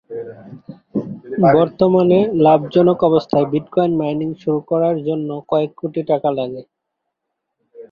বর্তমানে লাভজনক অবস্থায় বিটকয়েন মাইনিং শুরু করার জন্য কয়েক কোটি টাকা লাগে।